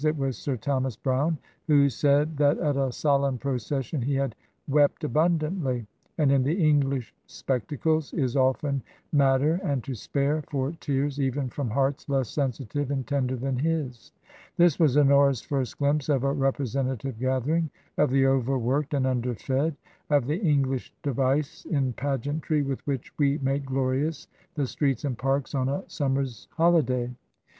It was Sir Thomas Browne who said that at a solemn procession he had "wept abundantly"; and in the English spectacles is often matter and to spare for tears even from hearts less sensitive and tender than his. This was Honora's first glimpse of a representative gathering of the overworked and underfed — of the English device in pageantry with which we make glorious the streets and parks on a sum mer's holiday.